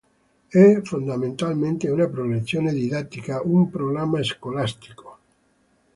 È fondamentalmente una progressione didattica, un programma scolastico.